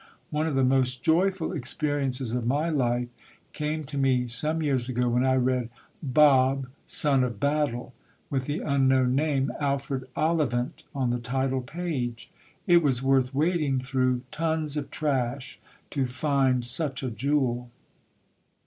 One of the most joyful experiences of my life came to me some years ago when I read Bob, Son of Battle with the unknown name Alfred Ollivant on the title page. It was worth wading through tons of trash to find such a jewel.